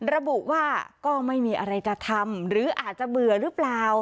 ระบุว่าก็ไม่มีอะไรจะทำหรืออาจจะเบื่อหรือเปล่า